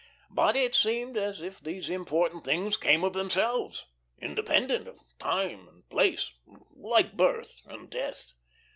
But it seemed as if these important things came of themselves, independent of time and place, like birth and death.